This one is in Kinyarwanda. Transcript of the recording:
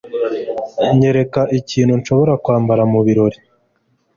Nyereka ikintu nshobora kwambara mubirori.